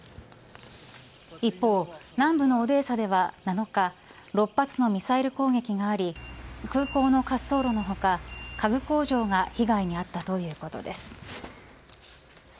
一方、南部のオデーサでは７日６発のミサイル攻撃があり空港の滑走路の他家具工場が被害に遭ったということです。